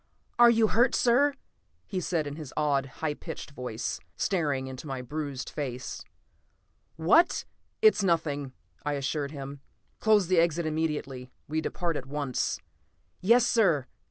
"You're hurt, sir!" he said in his odd, high pitched voice, staring into my bruised face. "What " "It's nothing," I assured him. "Close the exit immediately; we depart at once." "Yes, sir!"